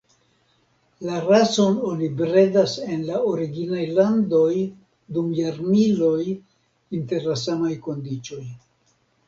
La rason oni bredas en la originaj landoj dum jarmiloj inter la samaj kondiĉoj.